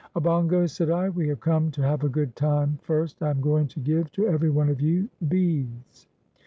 "Obongos," said I, "we have come to have a good time. First I am going to give to every one of you beads."